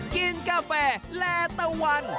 กินกาแฟแล้วตะวัน